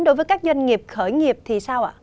đối với các doanh nghiệp khởi nghiệp thì sao ạ